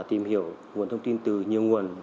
tìm hiểu nguồn thông tin từ nhiều nguồn